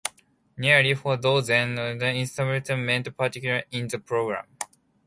Nearly four dozen other establishments participated in the program.